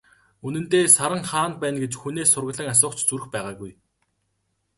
Үнэндээ, Саран хаана байна гэж хүнээс сураглан асуух ч зүрх байгаагүй.